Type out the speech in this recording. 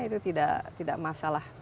itu tidak masalah